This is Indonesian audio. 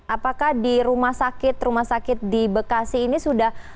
apakah di rumah sakit rumah sakit di bekasi ini sudah